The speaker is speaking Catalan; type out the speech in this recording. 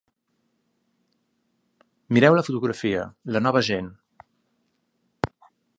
Mireu la fotografia, La nova gent.